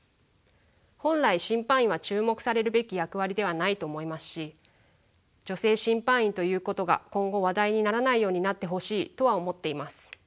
本来審判員は注目されるべき役割ではないと思いますし女性審判員ということが今後話題にならないようになってほしいとは思っています。